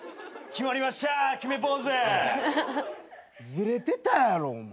ずれてたやろお前。